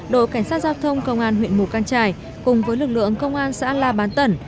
đội cảnh sát giao thông công an huyện mù căng trải cùng với lực lượng công an xã la bán tẩn